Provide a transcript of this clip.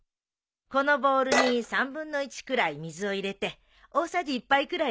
このボウルに３分の１くらい水を入れて大さじ１杯くらいね。